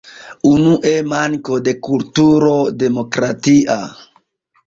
Unue: manko de kulturo demokratia.